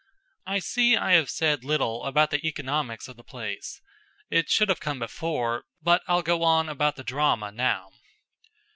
I see I have said little about the economics of the place; it should have come before, but I'll go on about the drama now.